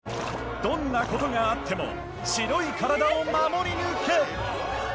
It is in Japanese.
どんな事があっても白い体を守り抜け！